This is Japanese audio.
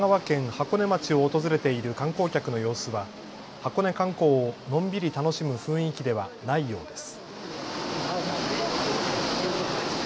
箱根町を訪れている観光客の様子は箱根観光をのんびり楽しむ雰囲気ではないようです。